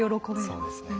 そうですね。